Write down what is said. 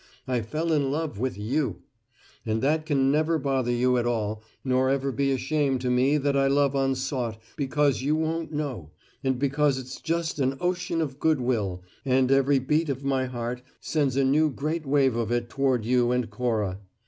I fell in love with You! And that can never bother you at all nor ever be a shame to me that I love unsought, because you won't know, and because it's just an ocean of good will, and every beat of my heart sends a new great wave of it toward you and Cora.